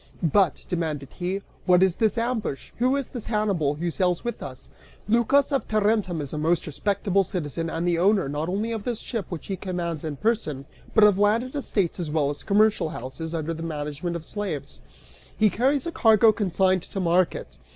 "But," demanded he, "what is this ambush? Who is this Hannibal who sails with us? Lycas of Tarentum is a most respectable citizen and the owner, not only of this ship, which he commands in person, but of landed estates as well as commercial houses under the management of slaves. He carries a cargo consigned to market.